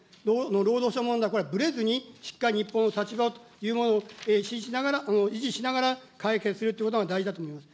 労働者問題、これはぶれずにしっかり日本の立場というものを維持しながら解決するということが大事だと思います。